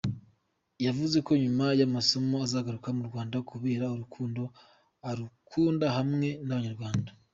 Yavuze ko nyuma y’amasomo azagaruka mu Rwanda kubera urukundo arukunda hamwe n’Abanyarwanda.